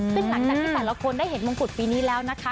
ซึ่งหลังจากที่แต่ละคนได้เห็นมงกุฎปีนี้แล้วนะคะ